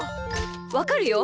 わかるよ。